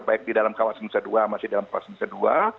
baik di dalam kawasan nusa dua masih dalam kawasan nusa dua